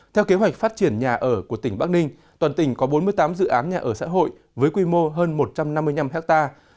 theo kế hoạch phát triển nhà ở của tỉnh bắc ninh toàn tỉnh có bốn mươi tám dự án nhà ở xã hội với quy mô hơn một trăm năm mươi năm hectare